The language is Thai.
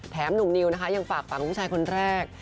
หนุ่มนิวนะคะยังฝากฝังผู้ชายคนแรก